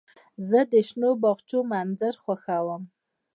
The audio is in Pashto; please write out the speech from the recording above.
زه د شنو باغچو منظر خوښوم.